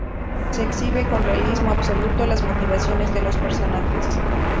Se exhibe con realismo absoluto las motivaciones de los personajes.